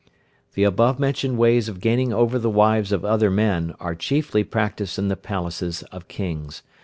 The above mentioned ways of gaining over the wives of other men are chiefly practised in the palaces of Kings.